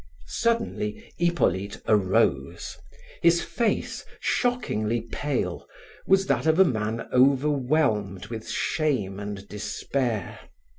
Suddenly Hippolyte arose. His face, shockingly pale, was that of a man overwhelmed with shame and despair.